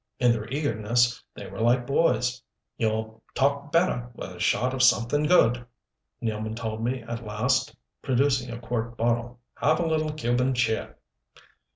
In their eagerness they were like boys. "You'll talk better with a shot of something good," Nealman told me at last, producing a quart bottle. "Have a little Cuban cheer."